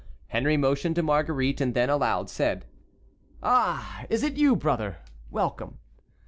Henry motioned to Marguerite, and then, aloud, said: "Ah! is it you, brother? Welcome."